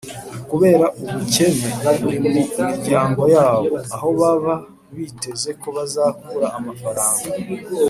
kubera ubukene buri mu miryango yabo, aho baba biteze ko bazakura amafaranga